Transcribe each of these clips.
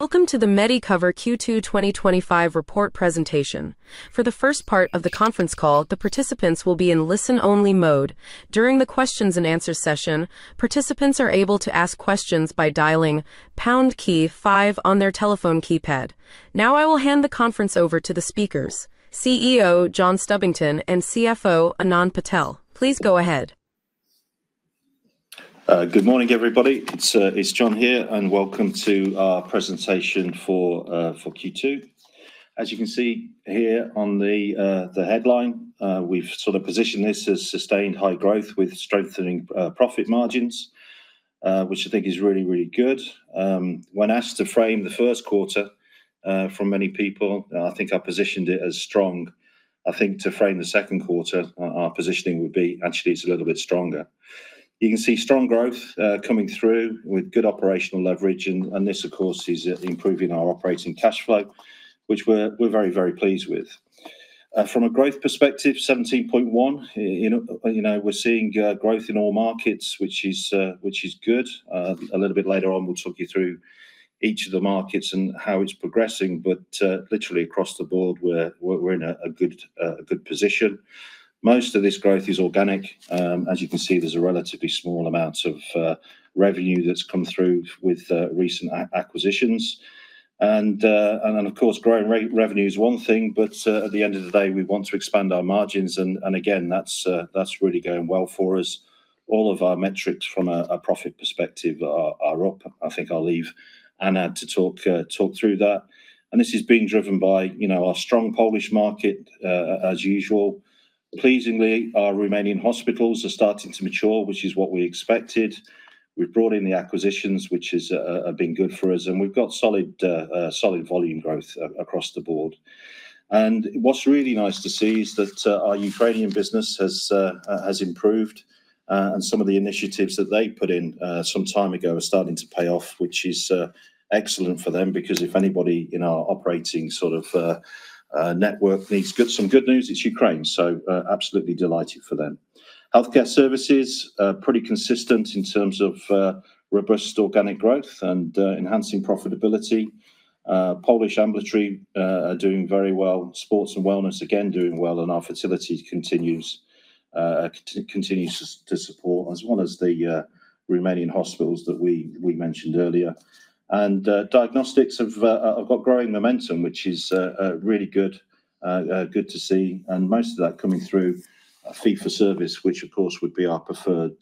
Welcome to the Medi Cover Q2 twenty twenty five Report Presentation. For the first part of the conference call, the participants will be in listen only mode. During the questions and answer Now I will hand the conference over to the speakers, CEO, John Stubbington and CFO, Anand Patel. Please go ahead. Good morning, It's John here, and welcome to our presentation for Q2. As you can see here on the headline, we've sort of positioned this as sustained high growth with strengthening profit margins, which I think is really, really good. When asked to frame the first quarter from many people, I think I positioned it as strong. I think to frame the second quarter, our positioning would be actually, it's a little bit stronger. You can see strong growth coming through with good operational leverage, and and this, of course, is improving our operating cash flow, which we're we're very, very pleased with. From a growth perspective, 17.1, you know, we're seeing growth in all markets, which is which is good. A little bit later on, we'll talk you through each of the markets and how it's progressing. But literally across the board, we're we're in a good good position. Most of this growth is organic. As you can see, there's a relatively small amount of revenue that's come through with recent acquisitions. And then of growing rate revenue is one thing, but at the end of the day, we want to expand our margins. And again, that's really going well for us. All of our metrics from a profit perspective are up. I think I'll leave Anad to talk through that. And this is being driven by, you know, our strong Polish market as usual. Pleasingly, our Romanian hospitals are starting to mature, which is what we expected. We brought in the acquisitions, which has been good for us, and we've got solid solid volume growth across the board. And what's really nice to see is that our Ukrainian business has has improved, and some of the initiatives that they put in some time ago are starting to pay off, which is excellent for them because if anybody in our operating sort of network needs good some good news, it's Ukraine. So, absolutely delighted for them. Health care services, pretty consistent in terms of robust organic growth and enhancing profitability. Polish Ambulatory are doing very well. Sports and wellness, again, doing well, and our facilities continues continues to to support as well as the remaining hospitals that we we mentioned earlier. And diagnostics have have got growing momentum, which is really good good to see, and most of that coming through a fee for service, which, of course, would be our preferred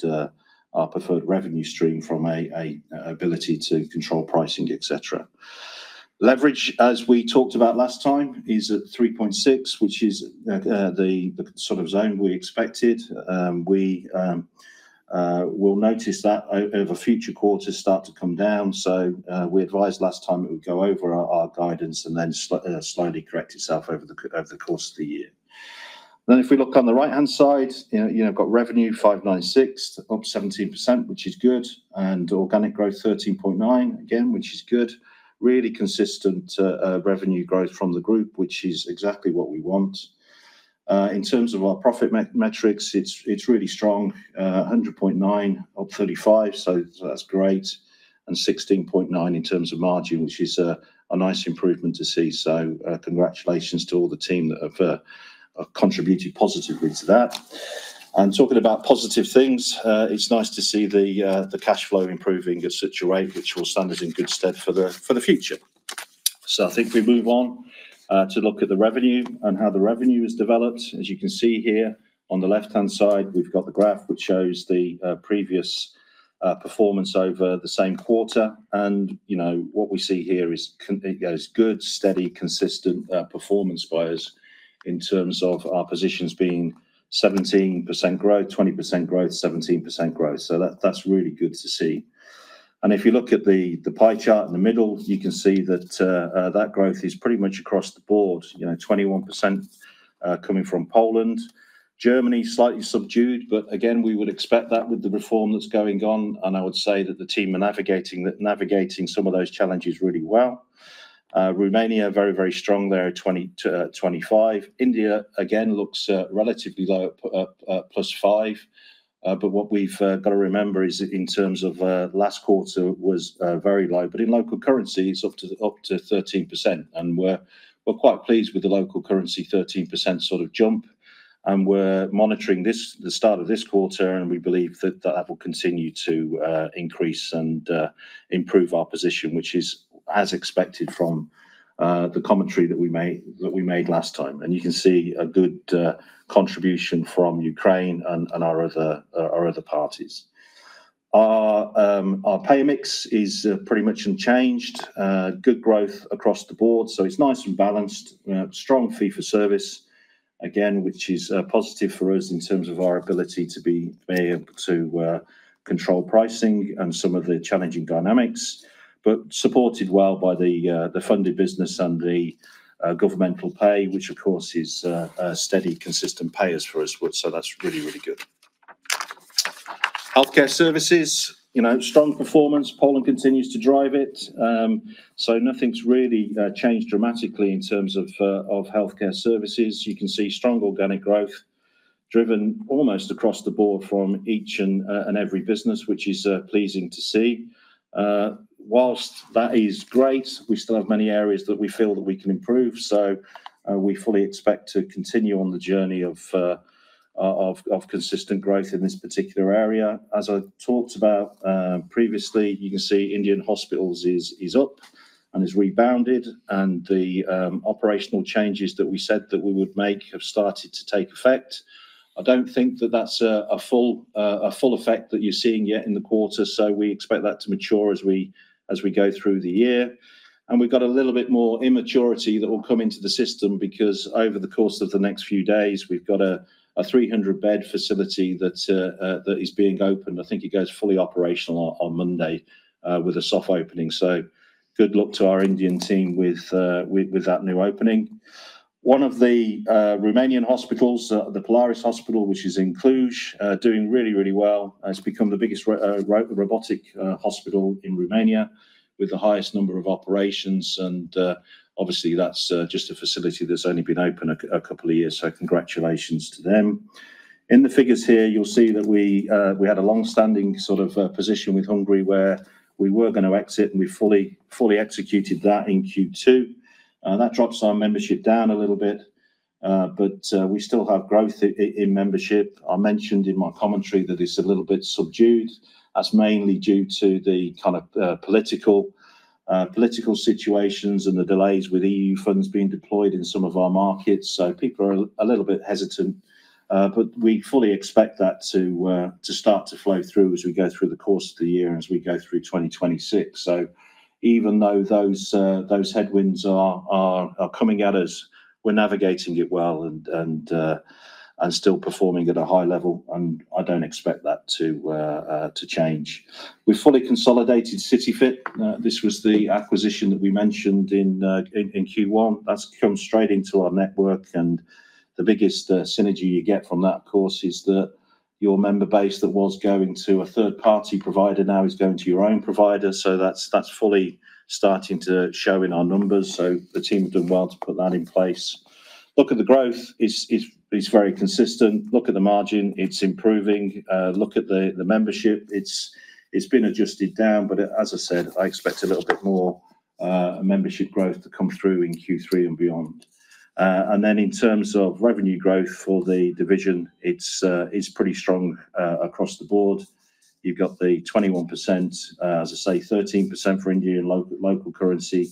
our preferred revenue stream from a a ability to control pricing, etcetera. Leverage, as we talked about last time, is at 3.6, which is the the sort of zone we expected. We will notice that over future quarters start to come down. So we advised last time that we go over our guidance and then slightly correct itself over the course of the year. Then if we look on the right hand side, you you know, I've got revenue, $5.96, up 17%, which is good, and organic growth 13.9, again, which is good. Really consistent revenue growth from the group, which is exactly what we want. In terms of our profit metrics, it's it's really strong, a 100.9, up 35, so that's great. And 16.9 in terms of margin, which is a nice improvement to see. So congratulations to all the team that have contributed positively to that. And talking about positive things, it's nice to see the the cash flow improving at such a rate, which will stand us in good stead for the for the future. So I think we move on to look at the revenue and how the revenue is developed. As you can see here on the left hand side, we've got the graph which shows the previous performance over the same quarter. And what we see here is good, steady, consistent performance by us in terms of our positions being 17% growth, 20% growth, 17% growth. So that that's really good to see. And if you look at the the pie chart in the middle, you can see that that growth is pretty much across the board, you know, 21% coming from Poland. Germany, slightly subdued, but again, we would expect that with the reform that's going on. And I would say that the team are navigating navigating some of those challenges really well. Romania, very, very strong there at 20 to 25. India, again, looks relatively low, plus five. But what we've got to remember is in terms of last quarter was very low. But in local currencies, up to up to 13%, and we're we're quite pleased with the local currency 13% sort of jump. And we're monitoring this the start of this quarter, and we believe that that will continue to increase and improve our position, which is as expected from the commentary that we may that we made last time. And you can see a good contribution from Ukraine and and our other our other parties. Our pay mix is pretty much unchanged. Good growth across the board, so it's nice and balanced. Strong fee for service, again, which is a positive for us in terms of our ability to be able to control pricing and some of the challenging dynamics, but supported well by the the funded business and the governmental pay, which, of course, is a steady consistent pay as for us. So that's really, really good. Health care services, you know, strong performance. Poland continues to drive it. So nothing's really changed dramatically in terms of of health care services. You can see strong organic growth driven almost across the board from each and every business, which is pleasing to see. Whilst that is great, we still have many areas that we feel that we can improve. So we fully expect to continue on the journey of consistent growth in this particular area. As I talked about previously, you can see Indian hospitals is up and has rebounded and the operational changes that we said that we would make have started to take effect. I don't think that that's a full effect that you're seeing yet in the quarter. So we expect that to mature as we go through the year. And we've got a little bit more immaturity that will come into the system because over the course of the next few days, we've got a 300 bed facility that is being opened. I think it goes fully operational on Monday with a soft opening. So good luck to our Indian team with with that new opening. One of the Romanian hospitals, the Polaris hospital, which is in Cluj, doing really, really well. It's become the biggest robotic hospital in Romania with the highest number of operations. And, obviously, that's just a facility that's only been open a a couple of years, so congratulations to them. In the figures here, you'll see that we had a long standing sort of position with Hungary where we were going to exit and we fully executed that in Q2. That drops our membership down a little bit, but we still have growth in membership. I mentioned in my commentary that it's a little bit subdued. That's mainly due to the kind of political political situations and the delays with EU funds being deployed in some of our markets. So people are a little bit hesitant, but we fully expect that to to start to flow through as we go through the course of the year and as we go through 2026. So even though those those headwinds are are are coming at us, we're navigating it well and and and still performing at a high level, and I don't expect that to to change. We fully consolidated CitiFit. This was the acquisition that we mentioned in in in q one. That's come straight into our network, and the biggest synergy you get from that, of course, is that your member base that was going to a third party provider now is going to your own provider. So that's that's fully starting to show in our numbers. So the team did well to put that in place. Look at the growth. It's very consistent. Look at the margin. It's improving. Look at the membership. It's been adjusted down. But as I said, I expect a little bit more membership growth to come through in Q3 and beyond. And then in terms of revenue growth for the division, it's it's pretty strong across the board. You've got the 21%, as I say, 13% for India in local local currency,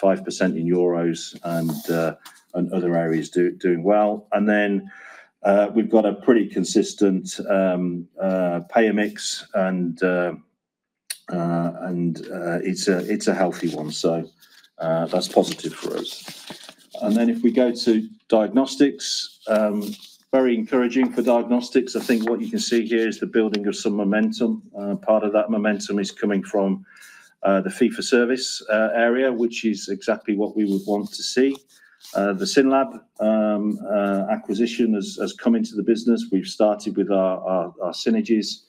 5% in euros, and and other areas do doing well. And then we've got a pretty consistent payer mix, and and it's a it's a healthy one. So that's positive for us. And then if we go to diagnostics, very encouraging for diagnostics. I think what you can see here is the building of some momentum. Part of that momentum is coming from the fee for service area, which is exactly what we would want to see. The Synlab acquisition has has come into the business. We've started with our our our synergies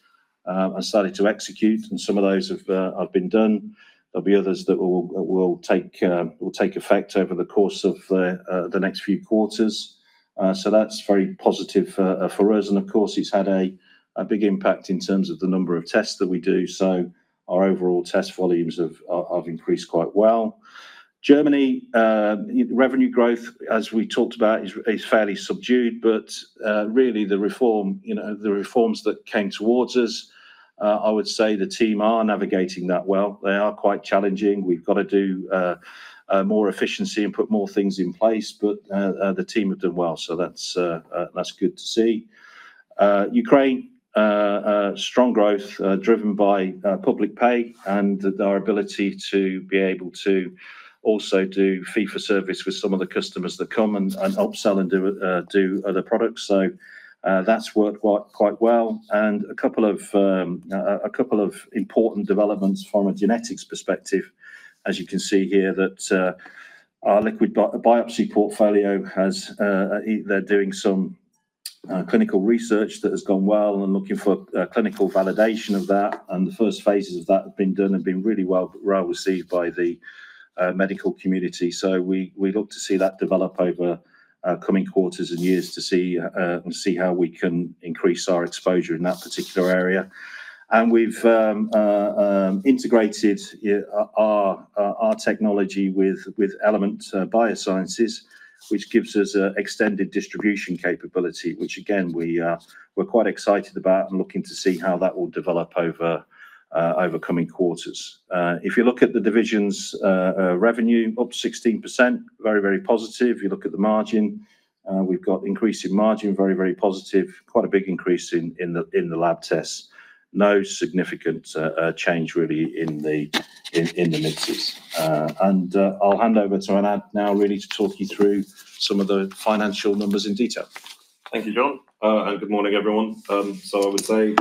and started to execute, and some of those have have been done. There'll be others that will will take will take effect over the course of the next few quarters. So that's very positive for us. And, of course, it's had a a big impact in terms of the number of tests that we do. So our overall test volumes have have increased quite well. Germany, revenue growth, as we talked about, is is fairly subdued, but, really, the reform, you know, the reforms that came towards us, I would say the team are navigating that well. They are quite challenging. We've got to do more efficiency and put more things in place, but the team have done well. So that's good to see. Ukraine, strong growth driven by public pay and our ability to be able to also do fee for service with some of the customers that come and upsell and do other products. So that's worked quite well. And a couple of couple of important developments from a genetics perspective. As you can see here that liquid biopsy portfolio has they're doing some clinical research that has gone well and looking for clinical validation of that. And the first phases of that have been done have been really well received by the medical community. So we we look to see that develop over coming quarters and years to see and see how we can increase our exposure in that particular area. And we've integrated our our technology with with Element Biosciences, which gives us extended distribution capability, which again, we're quite excited about and looking to see how that will develop over coming quarters. If you look at the division's revenue, up 16%, very, very positive. If you look at the margin, we've got increasing margin, very positive, quite a big increase in the lab tests. No significant change really in the mid teens. And I'll hand over to Anand now really to talk you through some of the financial numbers in detail. Thank you, John, and good morning, everyone. So I would say,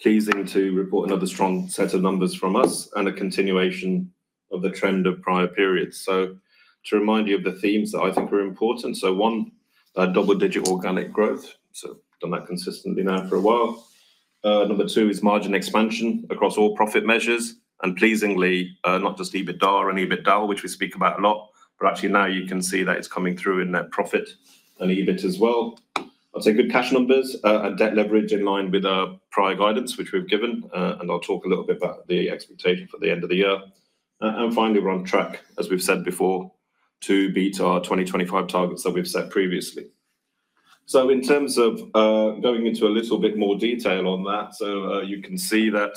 pleasing to report another strong set of numbers from us and a continuation of the trend of prior periods. So to remind you of the themes that I think are important. So one, double digit organic growth. So done that consistently now for a while. Number two is margin expansion across all profit measures. And pleasingly, not just EBITDA and EBITDA, which we speak about a lot, but actually now you can see that it's coming through in net profit and EBIT as well. I'll take good cash numbers and debt leverage in line with our prior guidance, which we've given, and I'll talk a little bit about the expectation for the end of the year. And finally, we're on track, as we've said before, to beat our 2025 targets that we've set previously. So in terms of going into a little bit more detail on that, so you can see that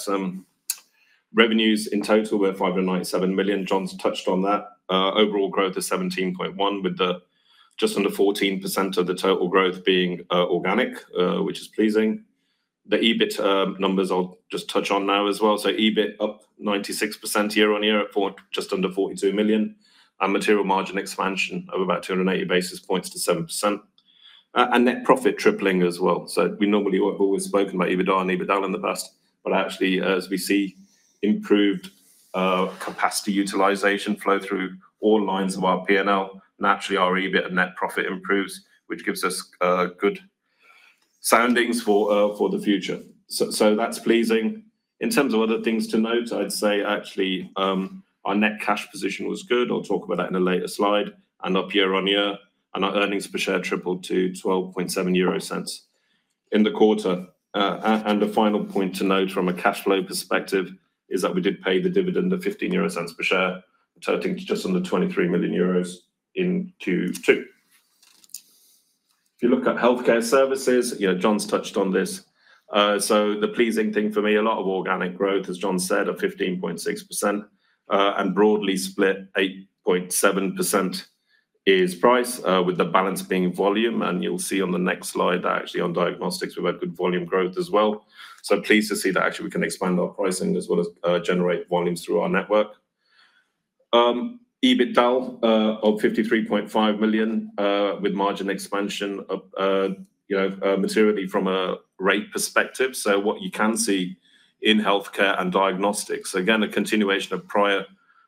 revenues in total were 597,000,000. John's touched on that. Overall growth is 17.1 with the just under 14% of the total growth being organic, which is pleasing. The EBIT numbers, I'll just touch on now as well. So EBIT up 96% year on year for just under 42,000,000, and material margin expansion of about two eighty basis points to 7% and net profit tripling as well. So we normally have always spoken about EBITDA and EBITDA in the past, but actually as we see improved capacity utilization flow through all lines of our p and l, naturally, our EBIT and net profit improves, which gives us good soundings for for the future. So so that's pleasing. In terms of other things to note, I'd say, our net cash position was good. I'll talk about that in a later slide and up year on year, and our earnings per share tripled to €12.7 cents in the quarter. And the final point to note from a cash flow perspective is that we did pay the dividend of €05 per share, turning to just under €23,000,000 in Q2. If you look at Healthcare Services, John's touched on this. So the pleasing thing for me, a lot of organic growth, as John said, of 15.6%. And broadly split, 8.7% is price with the balance being volume. And you'll see on the next slide that actually on diagnostics, we've had good volume growth as well. So pleased to see that actually we can expand our pricing as well as generate volumes through our network. EBITDA of 53,500,000.0 with margin expansion materially from a rate perspective. So what you can see in health care and diagnostics, again, a continuation of prior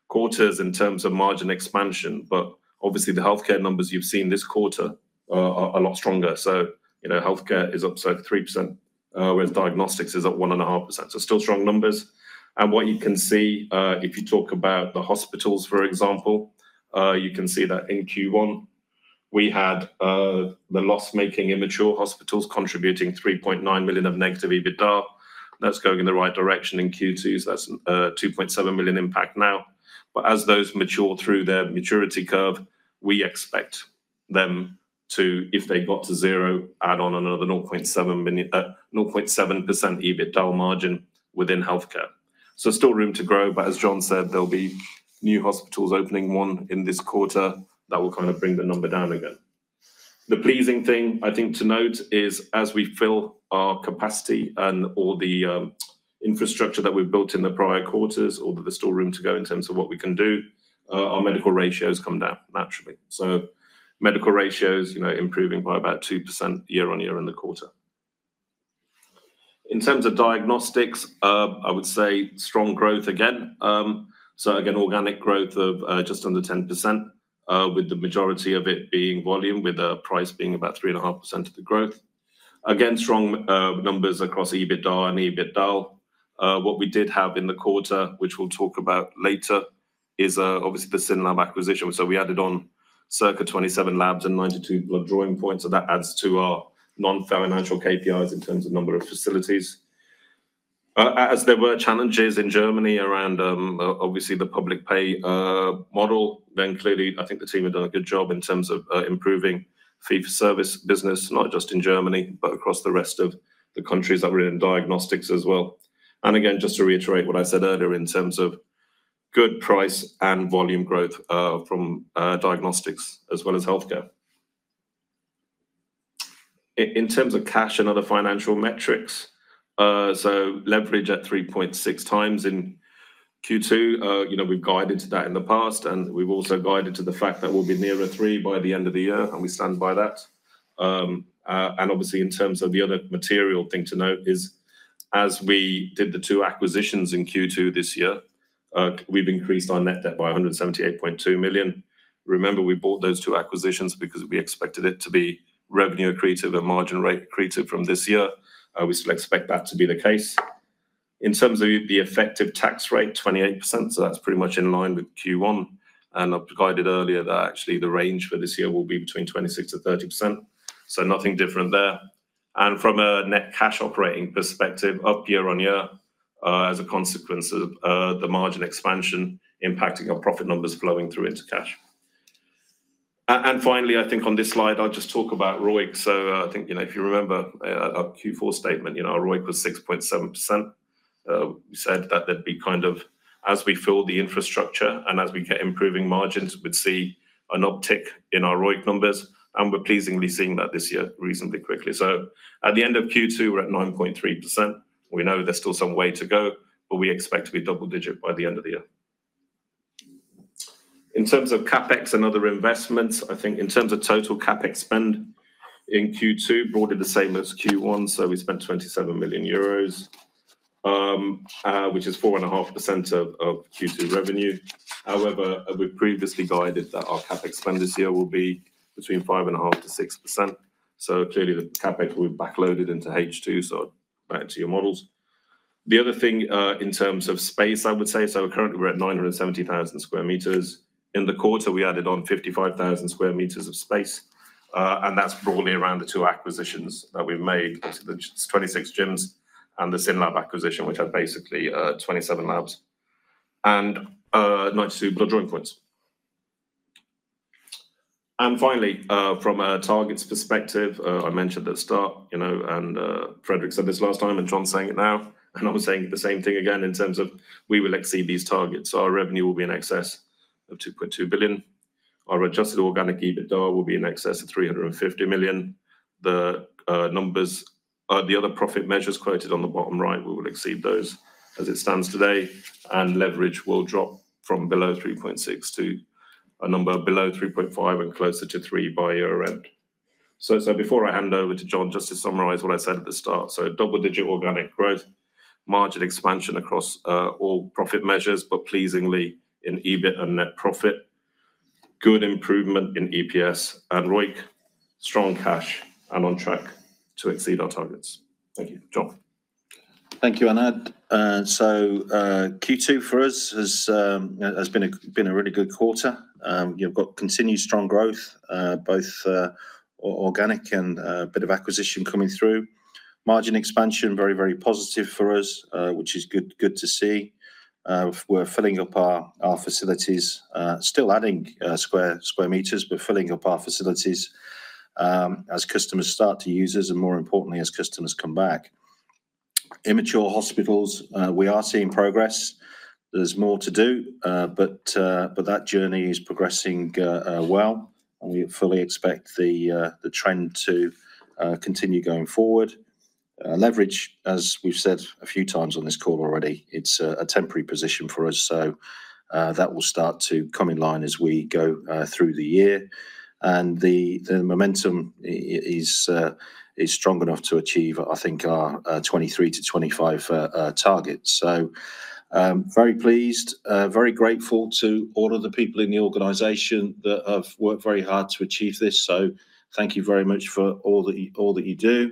quarters in terms of margin expansion. But obviously, the health care numbers you've seen this quarter are lot stronger. So, you know, healthcare is up 73%, whereas diagnostics is up one and a half percent. So still strong numbers. And what you can see, if you talk about the hospitals, for example, you can see that in q one, we had the loss making immature hospitals contributing $3,900,000 of negative EBITDA. That's going in the right direction in Q2, so that's a $2,700,000 impact now. But as those mature through their maturity curve, we expect them to, if they got to zero, add on another 0.70.7% EBITDA margin within healthcare. So still room to grow, but as John said, there'll be new hospitals opening one in this quarter that will kind of bring the number down again. The pleasing thing I think to note is as we fill our capacity and all the infrastructure that we've built in the prior quarters, although there's still room to go in terms of what we can do, our medical ratios come down naturally. So medical ratios, you know, improving by about 2% year on year in the quarter. In terms of diagnostics, I would say strong growth again. So again, organic growth of just under 10% with the majority of it being volume with the price being about 3.5% of the growth. Again, strong numbers across EBITDA and EBITDA. What we did have in the quarter, which we'll talk about later, is obviously the Synlab acquisition. So we added on circa 27 labs and 92 drawing points, so that adds to our non financial KPIs in terms of number of facilities. As there were challenges in Germany around, obviously, the public pay model, then clearly, I think the team has done a good job in terms of improving fee for service business, not just in Germany, but across the rest of the countries that were in diagnostics as well. And again, just to reiterate what I said earlier in terms of good price and volume growth from diagnostics as well as health care. In terms of cash and other financial metrics, so leverage at 3.6 times in q two. You know, we've guided to that in the past, and we've also guided to the fact that we'll be nearer three by the end of the year, and we stand by that. And, obviously, in terms of the other material thing to note is as we did the two acquisitions in q two this year, we've increased our net debt by a 178,200,000.0. Remember, we bought those two acquisitions because we expected it to be revenue accretive and margin rate accretive from this year. We still expect that to be the case. In terms of the effective tax rate, 28%, so that's pretty much in line with q one. And I've provided earlier that actually the range for this year will be between 26% to 30%, so nothing different there. And from a net cash operating perspective, up year on year as a consequence of the margin expansion impacting our profit numbers flowing through into cash. And finally, I think on this slide, I'll just talk about ROIC. So I think, you know, if you remember our q four statement, you know, ROIC was 6.7%. We said that that'd be kind of as we fill the infrastructure and as we get improving margins, we'd see an uptick in our ROIC numbers, and we're pleasingly seeing that this year reasonably quickly. So at the end of q two, we're at 9.3%. We know there's still some way to go, but we expect to be double digit by the end of the year. In terms of CapEx and other investments, I think in terms of total CapEx spend in Q2, broadly the same as Q1, so we spent €27,000,000 which is 4.5% of Q2 revenue. However, we previously guided that our CapEx spend this year will be between 5.5% to 6%. So clearly, CapEx will be backloaded into H2, so back to your models. The other thing in terms of space, I would say, so currently, at 970,000 square meters. In the quarter, we added on 55,000 square meters of space, and that's probably around the two acquisitions that we've made. It's 26 gyms and the Synlab acquisition, which are basically 27 labs. And nice to blood drawing points. And finally, from a targets perspective, I mentioned at the start, you know, and Frederic said this last time and John's saying it now. And I'm saying the same thing again in terms of we will exceed these targets. So our revenue will be in excess of 2,200,000,000.0. Our adjusted organic EBITDA will be in excess of 350,000,000. The numbers the other profit measures quoted on the bottom right, we will exceed those as it stands today, and leverage will drop from below 3.6 to a number below 3.5 and closer to three by year end. So before I hand over to John, just to summarize what I said at the start. So double digit organic growth, margin expansion across all profit measures, but pleasingly in EBIT and net profit, good improvement in EPS and ROIC, strong cash and on track to exceed our targets. Thank you. John? Thank you, Anad. So q two for us has been a a really good quarter. You've got continued strong growth, both organic and a bit of acquisition coming through. Margin expansion, very, very positive for us, which is good good to see. We're filling up our our facilities, still adding square square meters, but filling up our facilities as customers start to use us and more importantly, as customers come back. Immature hospitals, we are seeing progress. There's more to do, but but that journey is progressing well. And we fully expect the the trend to continue going forward. Leverage, as we've said a few times on this call already, it's a temporary position for us. So that will start to come in line as we go through the year. And the the momentum is is strong enough to achieve, I think, our 23 to 25 targets. So very pleased, very grateful to all of the people in the organization that have worked very hard to achieve this. So thank you very much for all that you all that you do.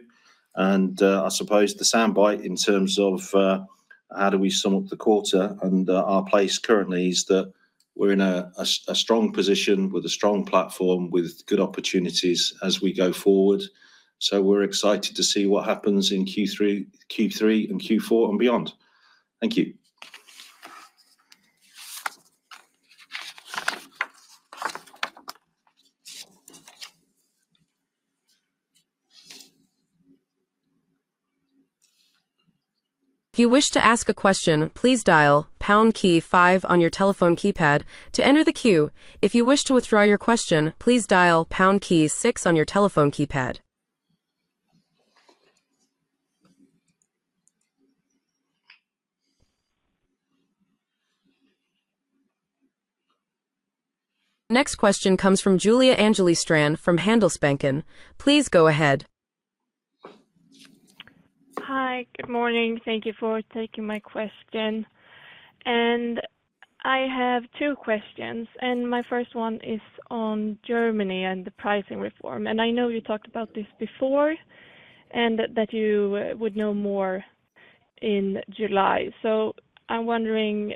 And I suppose the sound bite in terms of how do we sum up the quarter and our place currently is that we're in a a a strong position with a strong platform with good opportunities as we go forward. So we're excited to see what happens in q three q three and q four and beyond. Thank you. Next question comes from Julia Angeli Strand from Handelsbanken. Please go ahead. Hi, good morning. Thank you for taking my question. And I have two questions. And my first one is on Germany and the pricing reform. And I know you talked about this before and that you would know more in July. So I'm wondering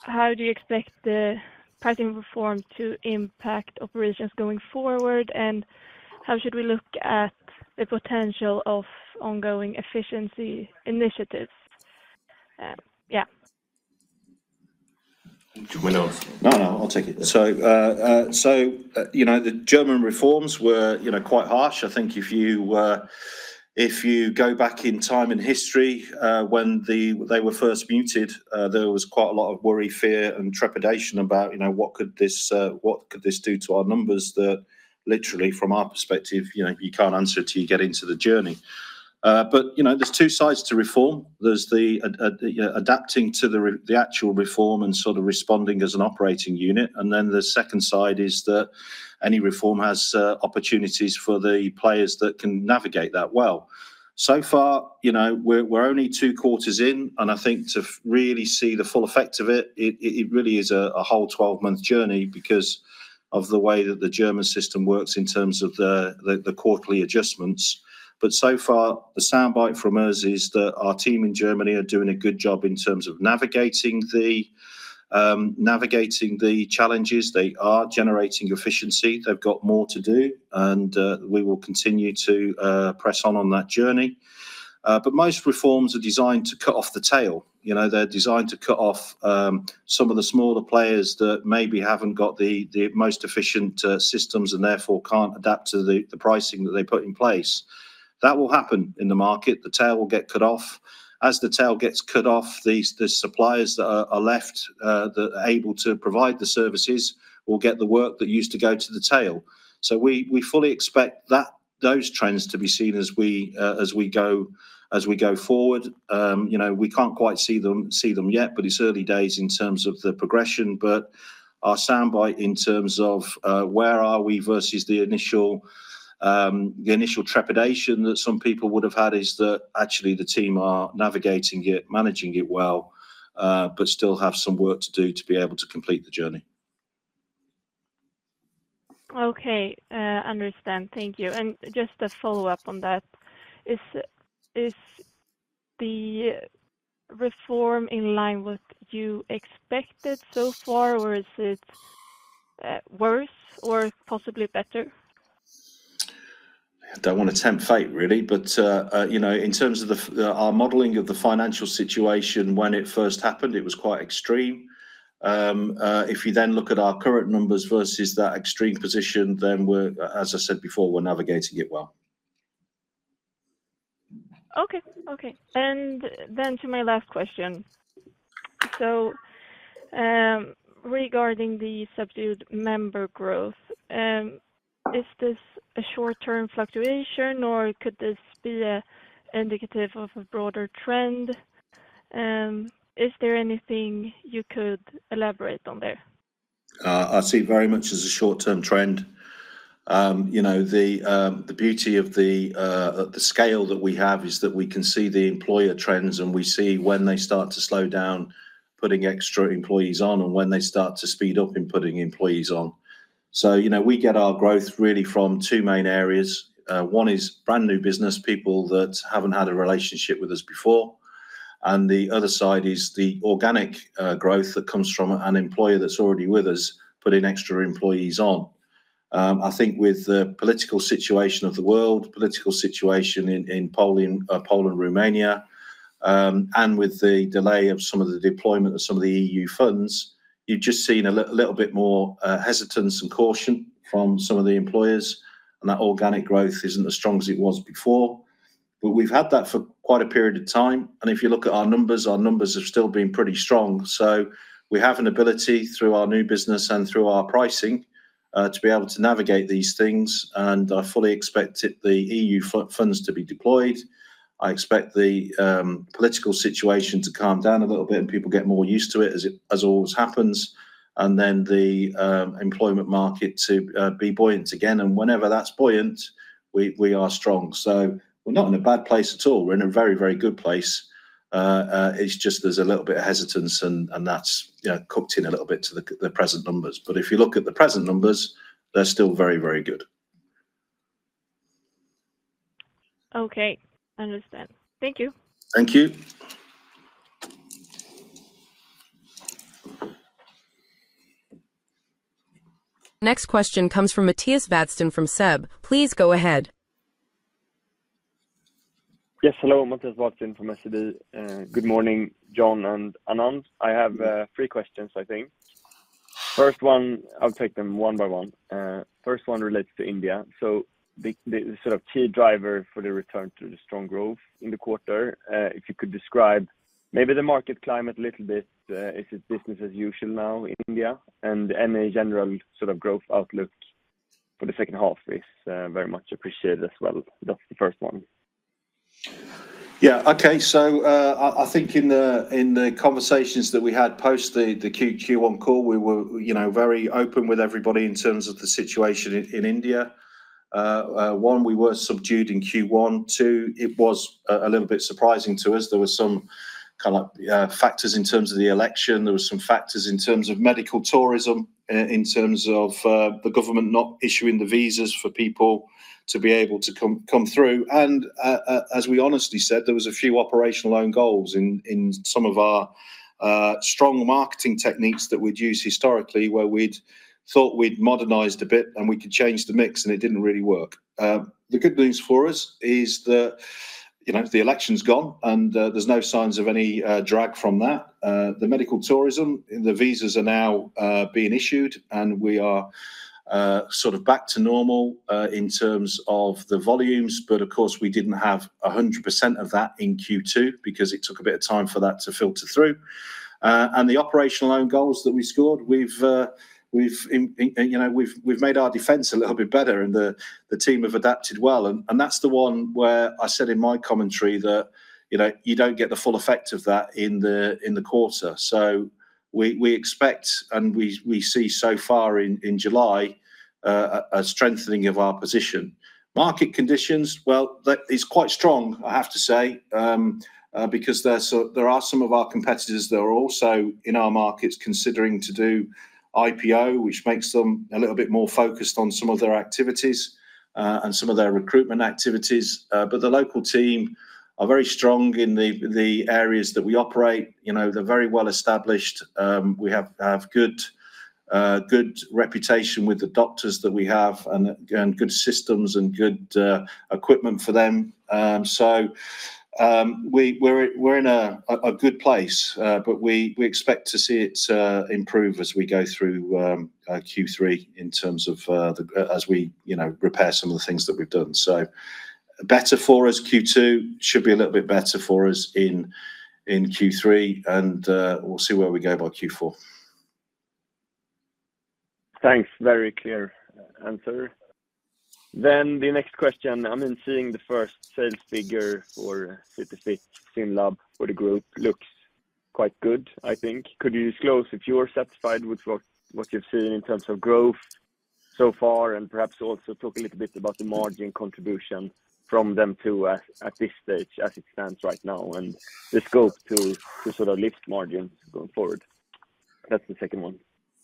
how do you expect the pricing reform to impact operations going forward? And how should we look at the potential of ongoing efficiency initiatives? Yeah. Do want to No. No. I'll take it. So so, you know, the German reforms were, you know, quite harsh. I think if you if you go back in time and history when the they were first muted, there was quite a lot of worry, fear, and trepidation about, you know, what could this what could this do to our numbers that literally, from our perspective, you know, you can't answer till you get into the journey. But, you know, there's two sides to reform. There's the, you know, adapting to the the actual reform and sort of responding as an operating unit. And then the second side is that any reform has opportunities for the players that can navigate that well. So far, you know, we're we're only two quarters in, and I think to really see the full effect of it, it it it really is a a whole 12 journey because of the way that the German system works in terms of the the the quarterly adjustments. But so far, the sound bite from us is that our team in Germany are doing a good job in terms of navigating the navigating the challenges. They are generating efficiency. They've got more to do, and we will continue to press on on that journey. But most reforms are designed to cut off the tail. You know? They're designed to cut off some of the smaller players that maybe haven't got the the most efficient systems and therefore can't adapt to the the pricing that they put in place. That will happen in the market. The tail will get cut off. As the tail gets cut off, these the suppliers that are are left that are able to provide the services will get the work that used to go to the tail. So we we fully expect that those trends to be seen as we as we go as we go forward. You know, we can't quite see them see them yet, but it's early days in terms of the progression. But our sound bite in terms of where are we versus the initial the initial trepidation that some people would have had is that, actually, the team are navigating it, managing it well, but still have some work to do to be able to complete the journey. Okay. Understand. Thank you. And just a follow-up on that. Is the reform in line with you expected so far? Or is it worse or possibly better? I don't want to tempt fate, really. But, you know, in terms of the our modeling of the financial situation when it first happened, it was quite extreme. If you then look at our current numbers versus that extreme position, then we're as I said before, we're navigating it well. Okay. Okay. And then to my last question. So regarding the subdued member growth, is this a short term fluctuation? Or could this be indicative of a broader trend? Is there anything you could elaborate on there? I see it very much as a short term trend. You know, the the beauty of the the scale that we have is that we can see the employer trends, and we see when they start to slow down putting extra employees on and when they start to speed up in putting employees on. So, you know, we get our growth really from two main areas. One is brand new business, people that haven't had a relationship with us before, and the other side is the organic growth that comes from an employer that's already with us, putting extra employees on. I think with the political situation of the world, political situation in in Poland Poland, Romania, and with the delay of some of the deployment of some of the EU funds, you've just seen a little bit more hesitance and caution from some of the employers, and that organic growth isn't as strong as it was before. But we've had that for quite a period of time. And if you look at our numbers, our numbers have still been pretty strong. So we have an ability through our new business and through our pricing to be able to navigate these things, and I fully expect the EU funds to be deployed. I expect the political situation to calm down a little bit and people get more used to it as it as always happens, and then the employment market to be buoyant again. And whenever that's buoyant, we we are strong. So we're not in a bad place at all. We're in a very, very good place. It's just there's a little bit of hesitance, and and that's, you know, cooked in a little bit to the the present numbers. But if you look at the present numbers, they're still very, very good. Next question comes from Matthias Watsson from SEB. Matthias Watsson from SEB. I have three questions, I think. First one I'll take them one by one. First one relates to India. So the sort of key driver for the return to the strong growth in the quarter. If you could describe maybe the market climate a little bit, is it business as usual now in India? And any general sort of growth outlook for the second half is very much appreciated as well? That's the first one. Yeah. Okay. So I I think in the in the conversations that we had post the the q q one call, we were, you know, very open with everybody in terms of the situation in in India. One, we were subdued in q one. Two, it was a little bit surprising to us. There were some kinda factors in terms of the election. There were some factors in terms of medical tourism, in terms of the government not issuing the visas for people to be able to come come through. And as we honestly said, there was a few operational own goals in in some of our strong marketing techniques that we'd used historically where we'd thought we'd modernized a bit and we could change the mix, and it didn't really work. The good news for us is the, you know, the election's gone, and there's no signs of any drag from that. The medical tourism and the visas are now being issued, and we are sort of back to normal in terms of the volumes. But, of course, we didn't have a 100% of that in q two because it took a bit of time for that to filter through. And the operational own goals that we scored, we've we've and and, you know, we've we've made our defense a little bit better, and the the team have adapted well. And and that's the one where I said in my commentary that, you know, you don't get the full effect of that in the in the quarter. So we we expect and we we see so far in in July a strengthening of our position. Market conditions, well, that is quite strong, I have to say, because there a there are some of our competitors that are also in our markets considering to do IPO, which makes them a little bit more focused on some of their activities and some of their recruitment activities. But the local team are very strong in the the areas that we operate. You know, they're very well established. We have have good good reputation with the doctors that we have and and good systems and good equipment for them. So we we're we're in a a good place, but we we expect to see it improve as we go through q three in terms of the as we, you know, repair some of the things that we've done. So better for us q two, should be a little bit better for us in in q three, and we'll see where we go by q four. Thanks. Very clear answer. Then the next question. I mean, seeing the first sales figure for C2C FinLab for the group looks quite good, I think. Could you disclose if you're satisfied with what you've seen in terms of growth so far? And perhaps also talk a little bit about the margin contribution from them to at this stage as it stands right now and the scope to sort of lift margins going forward? That's the second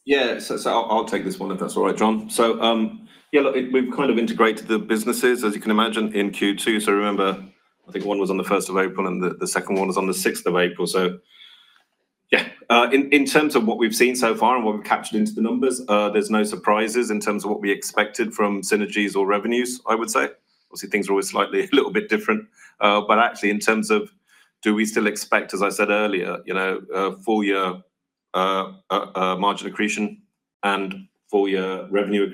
one. Yeah. So so I'll I'll take this one if that's alright, John. So, yeah, look, we've kind of integrated the businesses, as you can imagine, in q two. So remember, I think one was on the first of April, and the the second one was on the April 6. So yeah. In in terms of what we've seen so far and what we've captured into the numbers, there's no surprises in terms of what we expected from synergies or revenues, I would say. Obviously, things are always slightly a little bit different. But actually, terms of do we still expect, as I said earlier, you know, full year margin accretion and full year revenue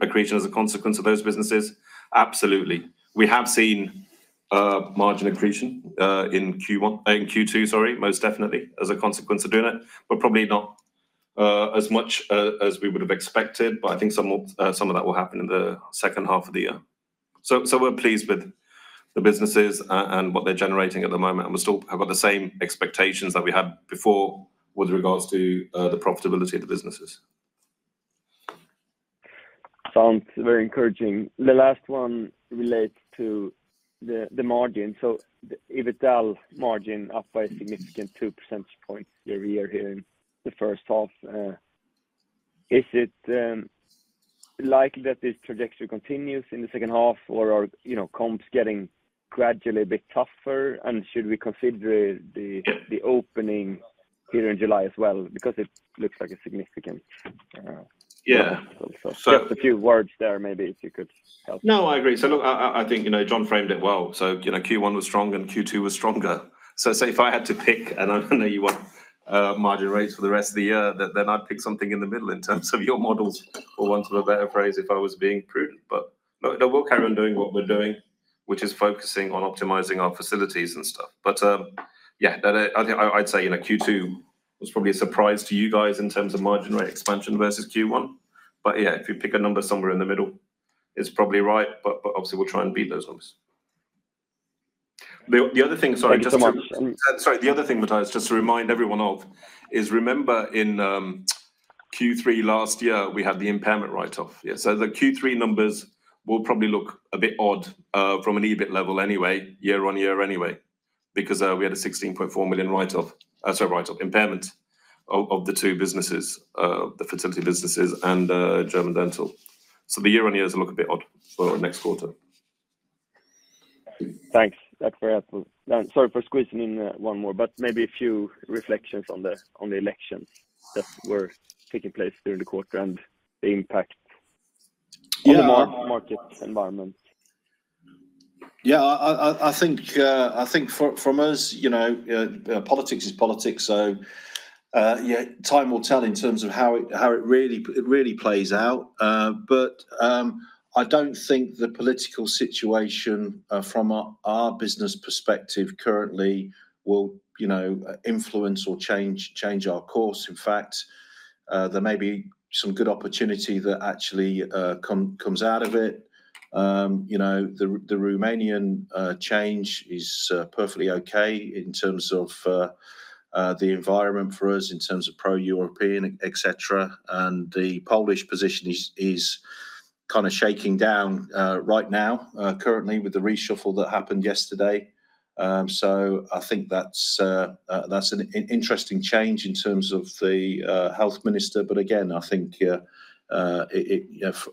accretion as a consequence of those businesses? Absolutely. We have seen margin accretion in q one in q two, sorry, most definitely as a consequence of doing it, but probably not as much as we would have expected. But I think some of some of that will happen in the second half of the year. So so we're pleased with the businesses and what they're generating at the moment. And we still have got the same expectations that we had before with regards to the profitability of the businesses. Sounds very encouraging. The last one relates to the margin. So the EBITDA margin up by a significant two percentage points year over year here in the first half. Is it likely that this trajectory continues in the second half? Or are comps getting gradually a bit tougher? And should we consider the opening here in July as well? Because it looks like a significant Yeah. Also. Just a few words there, maybe if you could help. No. I agree. So look. I I think, you know, John framed it well. So, you know, q one was strong and q two was stronger. So say if I had to pick, and I know you want margin rates for the rest of the year, then then I'd pick something in the middle in terms of your models for one sort of better phrase if I was being prudent. But no. No. We'll carry on doing what we're doing, which is focusing on optimizing our facilities and stuff. But yeah. I think I I'd say, you know, q two probably a surprise to you guys in terms of margin rate expansion versus q one. But, yeah, if you pick a number somewhere in the middle, it's probably right. But but, obviously, we'll try and beat those ones. The the other thing sorry. Just sorry. The other thing, Matthijs, just to remind everyone of, is remember in q three last year, we had the impairment write off. Yeah. So the q three numbers will probably look a bit odd from an EBIT level anyway, year on year anyway, because we had a 16,400,000 write off sorry, write off impairment of the two businesses, the fertility businesses and German Dental. So the year on year is a little bit odd for next quarter. Thanks. That's very helpful. Sorry for squeezing in one more, but maybe a few reflections on elections that were taking place during the quarter and the impact on the market environment. Yeah. I I I think I think for from us, you know, politics is politics. So, yeah, time will tell in terms of how it how it really it really plays out. But I don't think the political situation from our our business perspective currently will, you know, influence or change change our course. In fact, there may be some good opportunity that actually come comes out of it. You know, the the Romanian change is perfectly okay in terms of the environment for us, in terms of pro European, etcetera. And the Polish position is is kinda shaking down right now currently with the reshuffle that happened yesterday. So I think that's that's an interesting change in terms of the health minister. But, again, I think,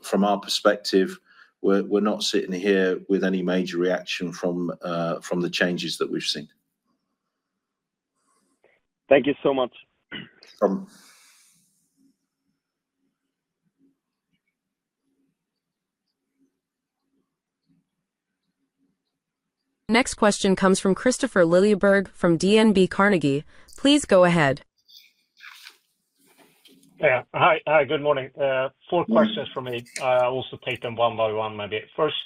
from our perspective, we're we're not sitting here with any major reaction from from the changes that we've seen. Thank you so much. Next question comes from Christopher Lilleborg from DNB Carnegie. Four questions from me. I'll also take them one by one maybe. First,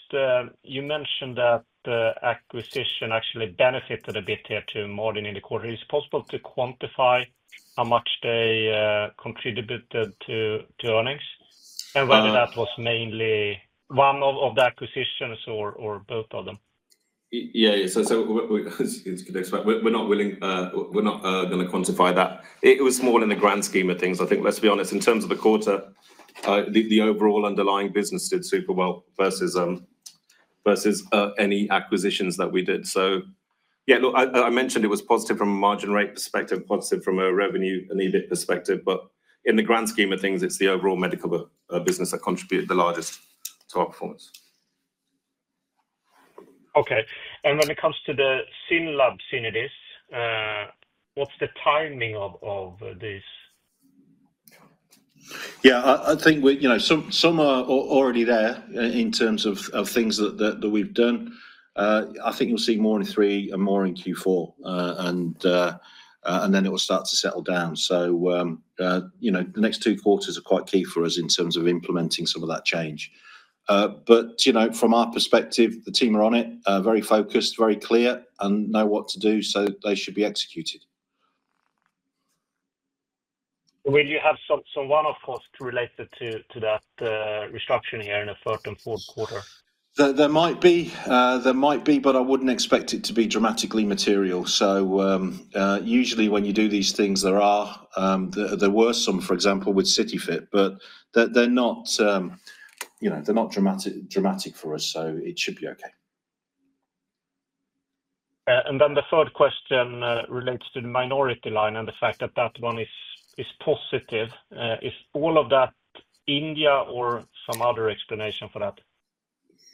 you mentioned that the acquisition actually benefited a bit here to margin in the quarter. Is it possible to quantify how much they contributed to earnings? And whether that was mainly one of the acquisitions or both of them? Yeah. Yeah. So so we're we're not willing we're not gonna quantify that. It was more in the grand scheme of things. Think, let's be honest, in terms of the quarter, the the overall underlying business did super well versus versus any acquisitions that we did. So yeah. Look. I I mentioned it was positive from a margin rate perspective, positive from a revenue and EBIT perspective. But in the grand scheme of things, it's the overall medical business that contributed the largest to our performance. Okay. And when it comes to the Synlab synergies, what's the timing of of this? Yeah. I I think we you know, some some are already there in terms of of things that that that we've done. I think you'll see more in three and more in q four, and and then it will start to settle down. So, you know, the next two quarters are quite key for us in terms of implementing some of that change. But, you know, from our perspective, the team are on it, very focused, very clear, and know what to do, so they should be executed. Will you have some some one off costs related to to that restructuring here in the third and fourth quarter? There there might be. There might be, but I wouldn't expect it to be dramatically material. So, usually, when you do these things, there are there there were some, for example, with CityFit, but they're they're not, you know, they're not dramatic dramatic for us, so it should be okay. And then the third question relates to the minority line and the fact that that one is is positive. Is all of that India or some other explanation for that?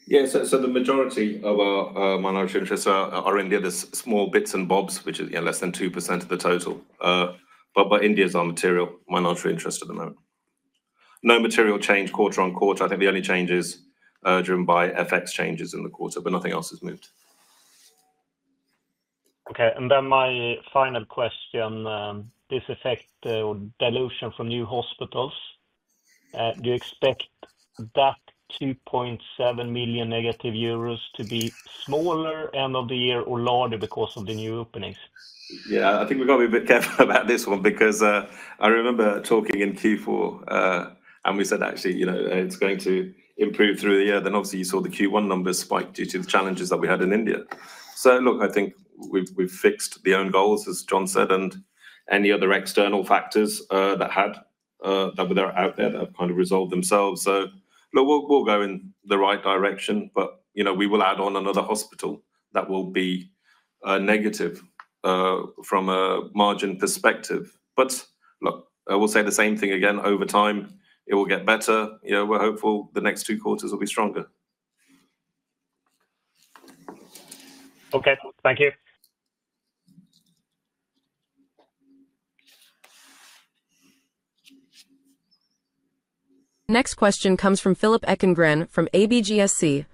Yes. So so the majority of our minority interests are are India. There's small bits and bobs, which is, yeah, less than 2% of the total. But but India is our material minority interest at the moment. No material change quarter on quarter. I think the only change is driven by FX changes in the quarter, but nothing else has moved. Okay. And then my final question, this effect dilution from new hospitals. Do you expect that €2,700,000 negative to be smaller end of the year or larger because of the new openings? Yes. I think we've got to a bit careful about this one because I remember talking in Q4, we said, actually, you know, it's going to improve through the year. Then, obviously, you saw the q one numbers spike due to the challenges that we had in India. So, look, I think we've we've fixed the own goals, as John said, and any other external factors that had that were there out there that kind of resolved themselves. So look. We'll we'll go in the right direction, but, you know, we will add on another hospital that will be negative from a margin perspective. But, look, I will say the same thing again. Over time, it will get better. We're hopeful the next two quarters will be stronger. Okay. Thank you. Next question comes from Philip Eckengrain from ABGSC.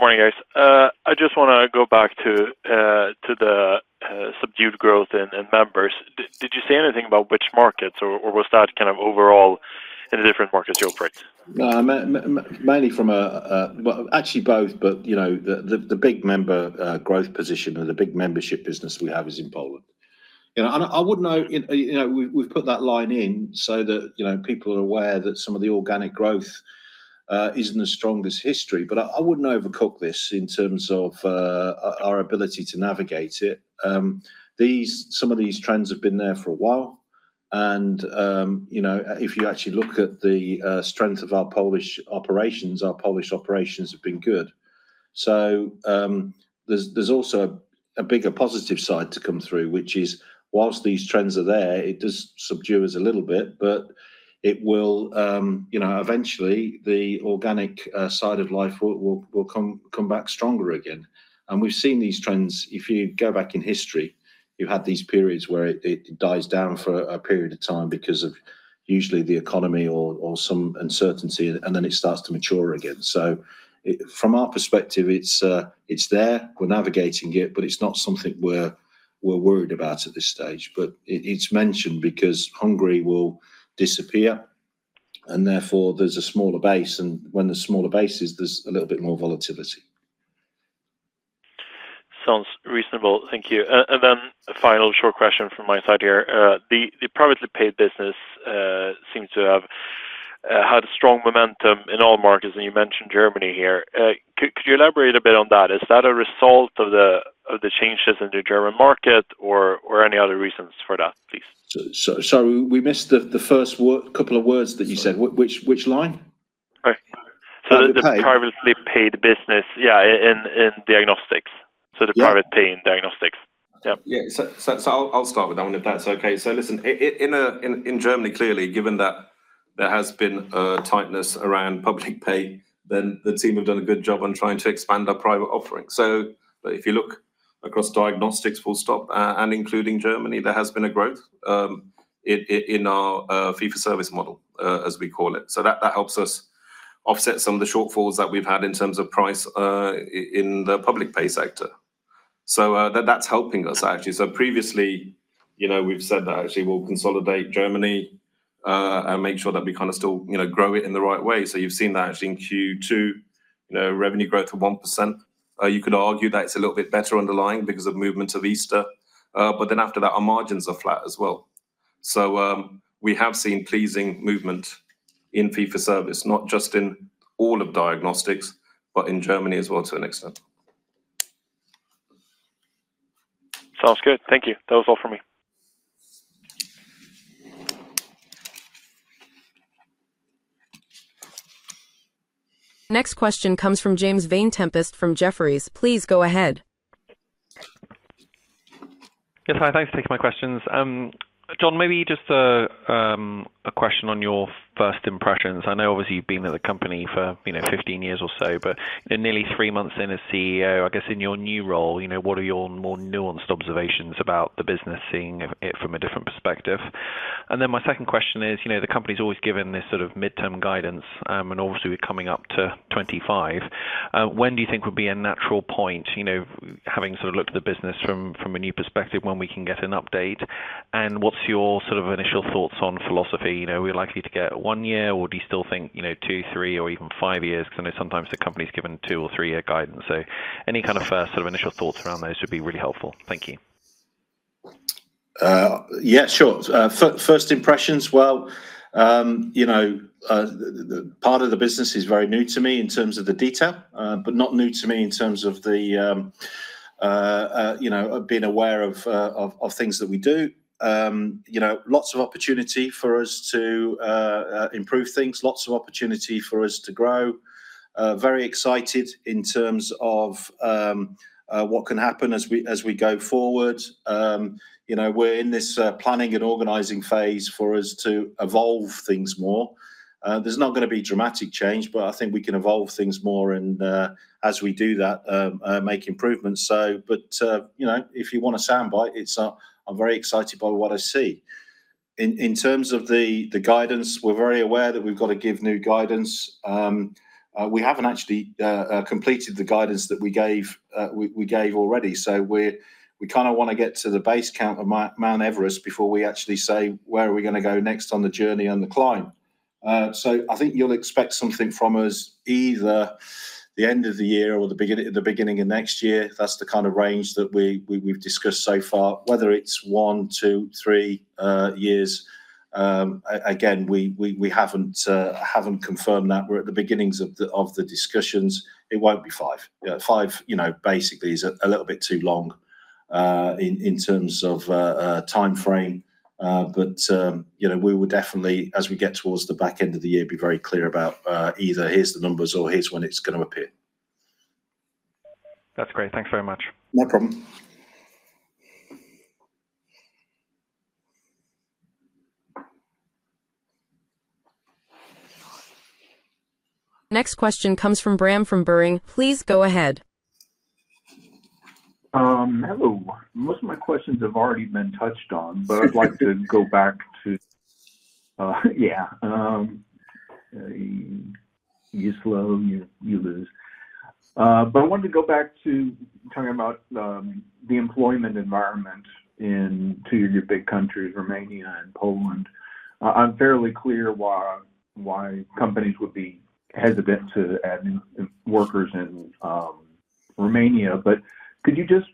I just want to go back to the subdued growth in members. Did did you say anything about which markets or or was that kind of overall in the different markets you operate? No. Mainly from a well, actually both, but, you know, the the the big member growth position or the big membership business we have is in Poland. You know? And I I would know you know, we we've put that line in so that, you know, people are aware that some of the organic growth isn't the strongest history, but I I wouldn't overcook this in terms of our ability to navigate it. These some of these trends have been there for a while. And, you know, if you actually look at the strength of our Polish operations, our Polish operations have been good. So there's there's also a bigger positive side to come through, which is whilst these trends are there, it does subdue us a little bit, but it will you know, eventually, the organic side of life will will will come come back stronger again. And we've seen these trends. If you go back in history, you had these periods where it it dies down for a period of time because of usually the economy or or some uncertainty, and then it starts to mature again. So from our perspective, it's it's there. We're navigating it, but it's not something we're we're worried about at this stage. But it it's mentioned because Hungary will disappear, and therefore, there's a smaller base. And when the smaller base is, there's a little bit more volatility. Sounds reasonable. Thank you. And then a final short question from my side here. The privately paid business seems to have had strong momentum in all markets, and you mentioned Germany here. Could you elaborate a bit on that? Is that a result of the changes in the German market or any other reasons for that, please? Sorry, we missed the first couple of words that you said. Which line? Right. So the the privately paid business, yeah, in in diagnostics. So the private pay in diagnostics. Yep. Yeah. So so so I'll I'll start with that one if that's okay. So listen. In a in in Germany, clearly, given that there has been tightness around public pay, then the team have done a good job on trying to expand our private offering. So if you look across diagnostics, full stop, and including Germany, there has been a growth in our fee for service model, as we call it. So that that helps us offset some of the shortfalls that we've had in terms of price in the public pay sector. So that that's helping us, actually. So previously, you know, we've said that actually we'll consolidate Germany and make sure that we kind of still, you know, grow it in the right way. So you've seen that actually in q two, you know, revenue growth of 1%. You could argue that it's a little bit better underlying because of movement of Easter. But then after that, our margins are flat as well. So we have seen pleasing movement in fee for service, not just in all of diagnostics, but in Germany as well to an extent. Sounds good. Thank you. That was all for me. Next question comes from James Vane Tempest from Jefferies. Please go ahead. Yes, hi. Thanks for taking my questions. John, maybe just a question on your first impressions. I know, obviously, you've been at the company for fifteen years or so, but in nearly three months in as CEO, I guess, in your new role, what are your more nuanced observations about the business seeing it from a different perspective? And then my second question is the company has always given this sort of midterm guidance. And obviously we're coming up to 25. When do you think would be a natural point having sort of looked at the business from a new perspective when we can get an update? And what's your sort of initial thoughts on philosophy? Are we likely to get one year? Or do you still think you know, two, three, or even five years? Because know sometimes the company's given two or three year guidance. So any kind of first sort of initial thoughts around those would be really helpful. Thank you. Yeah. Sure. First impressions, well, you know, part of the business is very new to me in terms of the detail, but not new to me in terms of the you know, of being aware of of of things that we do. You know, lots of opportunity for us to improve things, lots of opportunity for us to grow. Very excited in terms of what can happen as we as we go forward. You know, we're in this planning and organizing phase for us to evolve things more. There's not gonna be dramatic change, but I think we can evolve things more and as we do that, make improvements. So but, you know, if you want a sound bite, it's I'm very excited by what I see. In in terms of the the guidance, we're very aware that we've gotta give new guidance. We haven't actually completed the guidance that we gave we we gave already. So we're we kinda wanna get to the base count of Mount Mount Everest before we actually say where are we gonna go next on the journey and the climb. So I think you'll expect something from us either the end of the year or the beginning at the beginning of next year. That's the kind of range that we we we've discussed so far. Whether it's one, two, three years, again, we we we haven't haven't confirmed that. We're at the beginnings of the of the discussions. It won't be five. Five, you know, basically, is a a little bit too long in in terms of time frame. But, you know, we would definitely, as we get towards the back end of the year, be very clear about either here's the numbers or here's when it's gonna appear. That's great. Thanks very much. No problem. Next question comes from Bram from Bering. Hello. Most of my questions have already been touched on, but I'd like to go back to yeah. You slow, you lose. But I wanted to go back to talking about the employment environment in two of your big countries, Romania and Poland. I'm fairly clear why companies would be hesitant to add workers in Romania. But could you just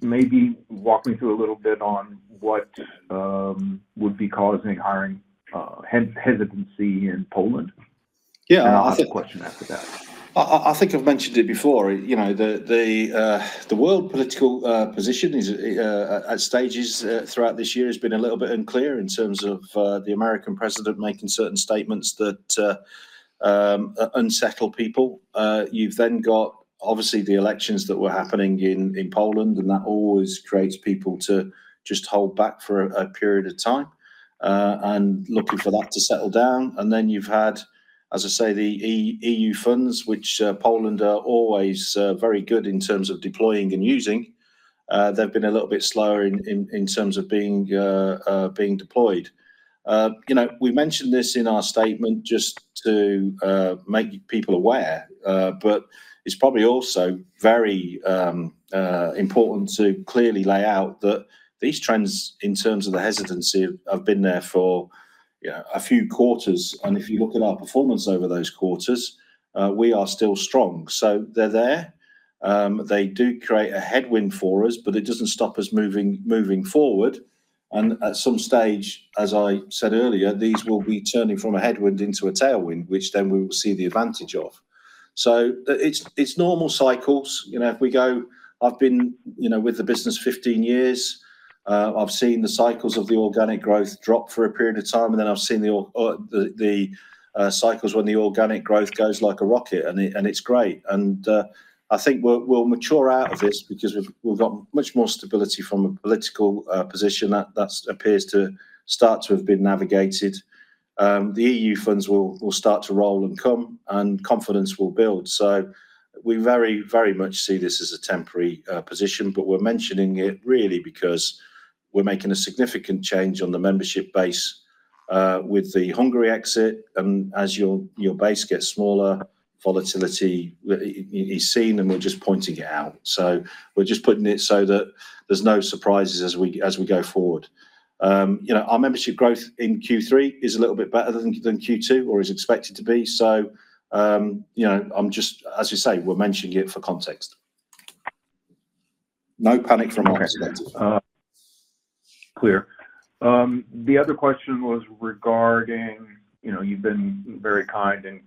maybe walk me through a little bit on what would be causing hiring head hesitancy in Poland? Yeah. I'll ask a question after that. I I I think I've mentioned it before. You know, the the the world political position is at stages throughout this year has been a little bit unclear in terms of the American president making certain statements that unsettle people. You've then got, obviously, the elections that were happening in in Poland, and that always creates people to just hold back for a period of time and looking for that to settle down. And then you've had, as I say, the e EU funds, which Poland are always very good in terms of deploying and using. They've been a little bit slower in in in terms of being being deployed. You know, we mentioned this in our statement just to make people aware, but it's probably also very important to clearly lay out that these trends in terms of the hesitancy have been there for, yeah, a few quarters. And if you look at our performance over those quarters, we are still strong. So they're there. They do create a headwind for us, but it doesn't stop us moving moving forward. And at some stage, as I said earlier, these will be turning from a headwind into a tailwind, which then we will see the advantage of. So it's it's normal cycles. You know, if we go I've been, you know, with the business fifteen years. I've seen the cycles of the organic growth drop for a period of time, and then I've seen the the the cycles when the organic growth goes like a rocket, and it and it's great. And I think we'll we'll mature out of this because we've we've got much more stability from a political position that that appears to start to have been navigated. The EU funds will will start to roll and come, and confidence will build. So we very, very much see this as a temporary position, but we're mentioning it really because we're making a significant change on the membership base with the Hungary exit. And as your your base gets smaller, volatility is seen, and we're just pointing it out. So we're just putting it so that there's no surprises as we as we go forward. You know, our membership growth in q three is a little bit better than than q two or is expected to be. So, you know, I'm just as you say, we're mentioning it for context. No panic from our perspective. Clear. The other question was regarding you've been very kind in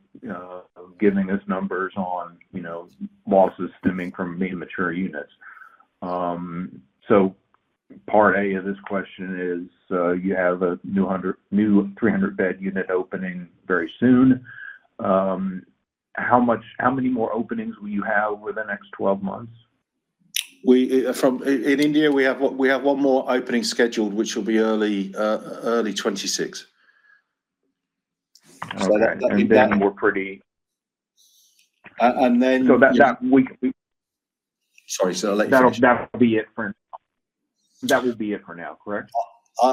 giving us numbers on losses stemming from being mature units. So part A of this question is you have a new 300 bed unit opening very soon. How much how many more openings will you have over the next twelve months? We from in India, we have we have one more opening scheduled, which will be early early twenty six. So that that would be we're pretty And then So that that week we Sorry, sir. I'll let you know. Will be it for that will be it for now. Correct? I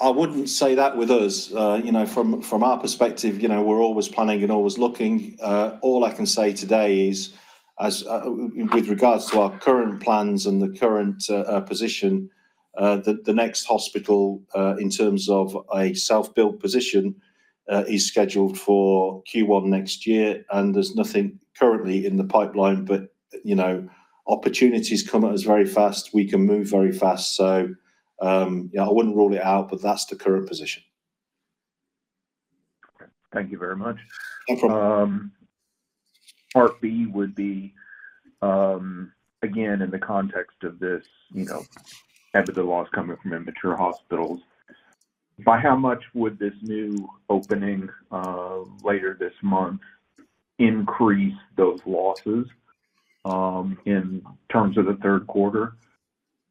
I I wouldn't say that with us. You know, from from our perspective, you know, we're always planning and always looking. All I can say today is as with regards to our current plans and the current position, the the next hospital in terms of a self built position is scheduled for q one next year, and there's nothing currently in the pipeline. But, you know, opportunities come at us very fast. We can move very fast. So, yeah, I wouldn't rule it out, but that's the current position. Okay. Thank you very much. No problem. Part b would be, again, in the context of this, know, EBITDA loss coming from immature hospitals. By how much would this new opening later this month increase those losses in terms of the third quarter?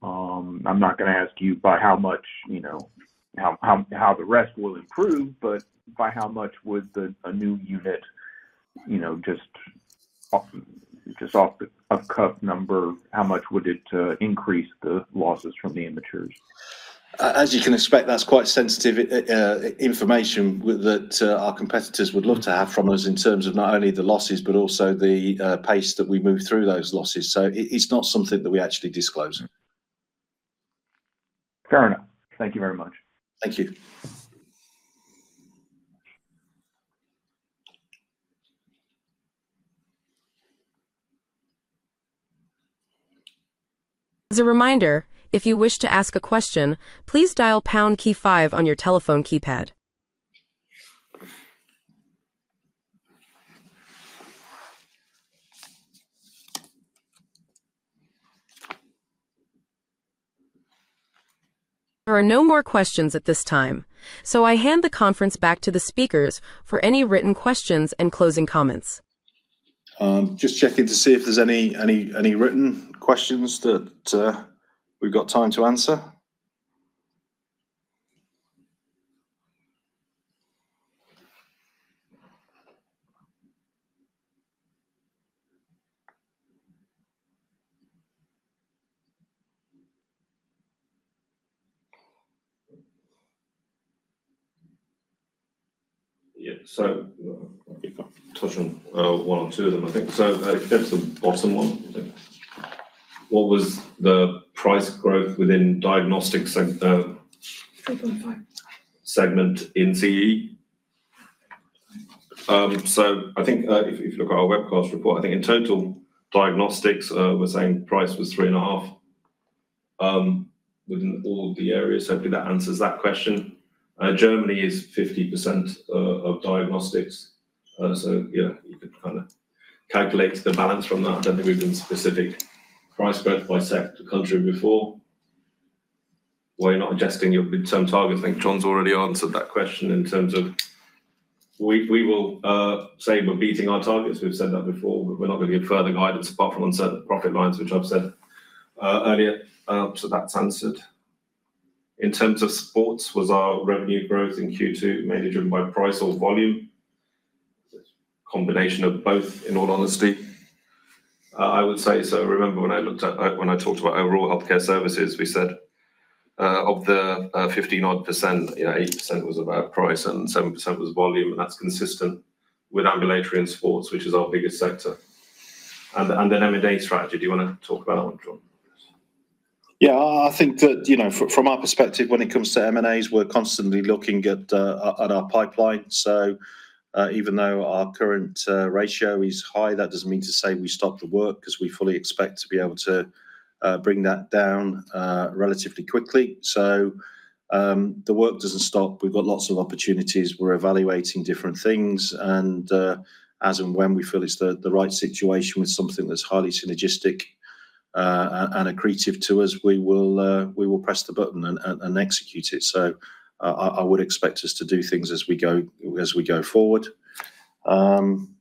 I'm not going to ask you by how much how the rest will improve, but by how much would a new unit just off the up cut number, how much would it increase the losses from the immatures? As you can expect, that's quite sensitive information with that our competitors would love to have from us in terms of not only the losses, but also the pace that we move through those losses. So it's not something that we actually disclose. Fair enough. Thank you very much. Thank you. There are no more questions at this time. So I hand the conference back to the speakers for any written questions and closing comments. Just checking to see if there's any any written questions that we've got time to answer. Yeah. So touch on one or two of them, I think. So that's the bottom one. What was the price growth within diagnostics segment 3.5. Segment in CE? So I think if if you look at our webcast report, think in total diagnostics, we're saying price was three and a half within all the areas. So I think that answers that question. Germany is 50% diagnostics. So, yeah, you could kinda calculate the balance from that. I don't think we've been specific price growth by sector country before. We're We're not adjusting your midterm targets. Think John's already answered that question in terms of we we will say we're beating our targets. We've said that before, but we're not gonna give further guidance apart from uncertain profit lines, which I've said earlier. So that's answered. In terms of sports, was our revenue growth in q two mainly driven by price or volume? Combination of both in all honesty. I would say so remember when I looked at when I talked about overall health care services, we said of the 15 odd percent, you know, 8% was about price and 7% was volume, and that's consistent with ambulatory and sports, which is our biggest sector. And and then m and a strategy, do you wanna talk about that one, John? Yeah. I think that, you know, from our perspective, when it comes to m and a's, we're constantly looking at at our pipeline. So even though our current ratio is high, that doesn't mean to say we stopped the work because we fully expect to be able to bring that down relatively quickly. So the work doesn't stop. We've got lots of opportunities. We're evaluating different things. And as and when we feel it's the the right situation with something that's highly synergistic accretive to us, we will we will press the button and and and execute it. So I I would expect us to do things as we go as we go forward. I'm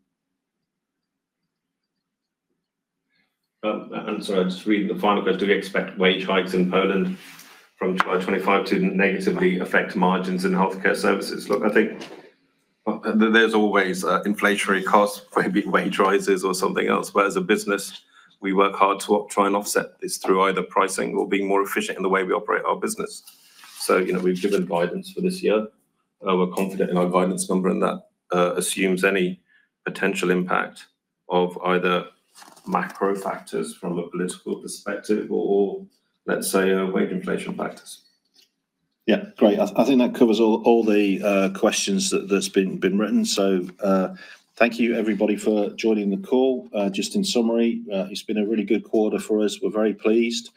sorry. Just reading the final question. Do we expect wage hikes in Poland from 2025 to negatively affect margins in health care services? Look. I think there's always inflationary costs for maybe wage rises or something else. But as a business, we work hard to up try and offset this through either pricing or being more efficient in the way we operate our business. So, you know, we've given guidance for this year. We're confident in our guidance number, and that assumes any potential impact of either macro factors from a political perspective or, let's say, weight inflation factors. Yeah. Great. I I think that covers all all the questions that that's been been written. So thank you everybody for joining the call. Just in summary, it's been a really good quarter for us. We're very pleased.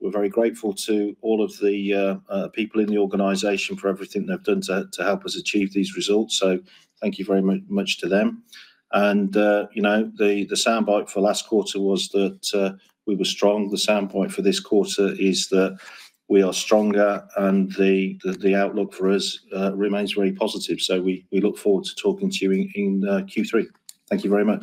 We're very grateful to all of the people in the organization for everything they've done to to help us achieve these results. So thank you very much to them. And the soundbite for last quarter was that we were strong. The soundbite for this quarter is that we are stronger and the outlook for us remains very positive. So we look forward to talking to you in Q3. Thank you very much.